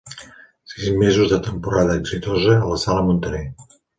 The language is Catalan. Sis mesos de temporada exitosa a la sala Muntaner.